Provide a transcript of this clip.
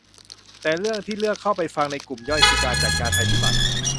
แต่เรื่องที่เลือกเข้าไปฟังในกลุ่มย่อยคือการจัดการภัยพิบัติ